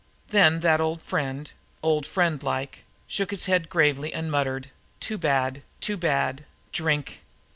Then the old friend, old friendlike, shook his head gravely and muttered: "Too bad! Too bad! Drink!"